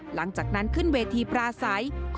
หลังจากนั้นขึ้นเวทีปราศัย